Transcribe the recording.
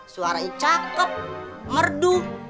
suaranya cakep merdu